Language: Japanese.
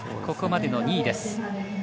ここまでの２位です。